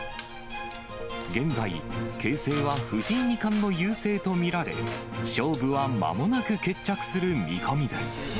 現在、形勢は藤井二冠の優勢と見られ、勝負はまもなく決着する見込みです。